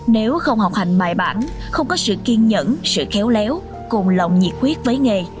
nếu không học hành bài bản không có sự kiên nhẫn sự khéo léo cùng lòng nhiệt huyết với nghề